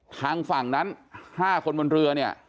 ทางฝั่งนั้น๕คนบนเรือเนี่ย